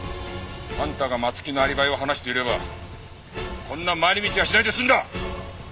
あんたが松木のアリバイを話していればこんな回り道はしないで済んだ！